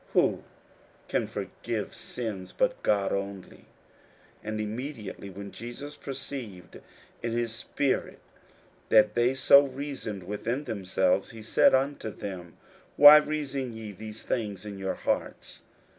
who can forgive sins but God only? 41:002:008 And immediately when Jesus perceived in his spirit that they so reasoned within themselves, he said unto them, Why reason ye these things in your hearts?